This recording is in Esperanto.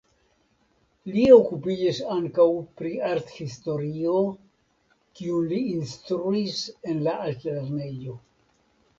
Li okupiĝis ankaŭ pri arthistorio, kiun li instruis en la altlernejo.